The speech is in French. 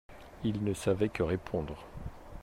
Il ne savait que répondre.